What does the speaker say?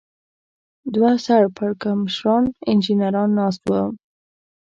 دوه سر پړکمشران انجنیران ناست و.